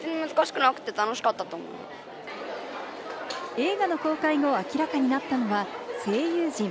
映画の公開後、明らかになったのは声優陣。